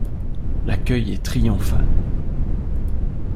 L’accueil est triomphal.